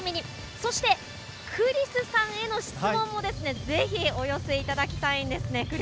そして、クリスさんへの質問もぜひお寄せいただきたいんですね。